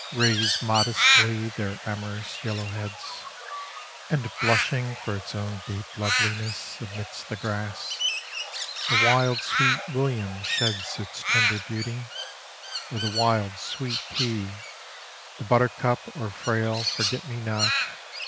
Raise modestly their amorous yellow heads; And blushing for its own deep loveliness Amidst the grass the wild sweet William sheds Its tender beauty, or the wild sweet pea, The buttercup or frail forget me not.